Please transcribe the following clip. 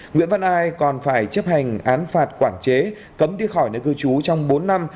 nguyễn văn ai còn phải chấp hành án phạt quản chế cấm đi khỏi nơi cư trú trong bốn năm